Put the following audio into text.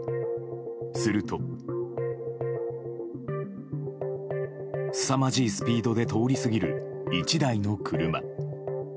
すると、すさまじいスピードで通り過ぎる１台の車。